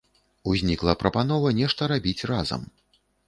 Узнікла прапанова нешта рабіць разам.